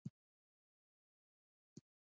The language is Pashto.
هغه باغ دې اوس هم شته.